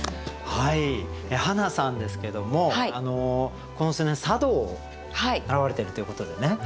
はなさんですけどもこの数年茶道を習われてるということでね。